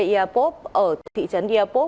earpop ở thị trấn earpop